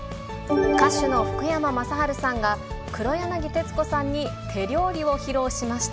歌手の福山雅治さんが黒柳徹子さんに手料理を披露しました。